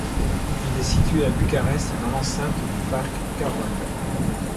Il est situé à Bucarest, dans l'enceinte du parc Carol.